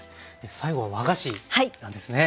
最後は和菓子なんですね。